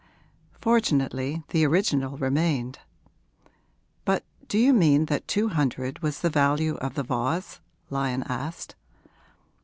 'Fortunately the original remained. But do you mean that two hundred was the value of the vase?' Lyon asked.